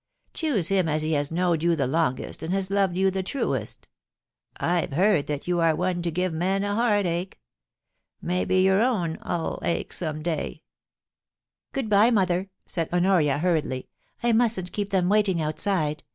Choose him as has knowed you the longest, and has loved you the truest I've heard that you are one to give men a heartache. Maybe your own 'ull ache some day.' * YOU'LL GET THE CROOKED STICK A T LAST: 177 * Good bye, mother/ said Honoria, hurriedly. * I mustn't keep them waiting outside.